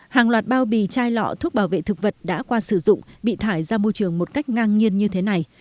hàng loạt bao bì chai lọ thuốc bảo vệ thực vật đã qua sử dụng bị thải ra môi trường một cách ngang nhiên như thế này